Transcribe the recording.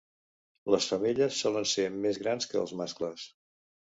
Les femelles solen ser més grans que els mascles.